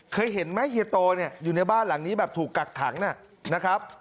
เคยเห็นไหมเฮียโตเนี่ยอยู่ในบ้านหลังนี้แบบถูกกักขังนะครับ